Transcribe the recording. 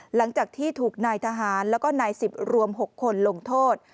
หลังจากที่ถูกนายทหารแล้วก็นาย๑๐รวม๖คนลงโทษ